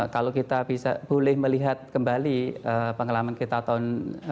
kalau kita bisa boleh melihat kembali pengalaman kita tahun sembilan puluh tujuh sembilan puluh delapan